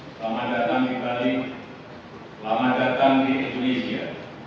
selamat datang di bali selamat datang di indonesia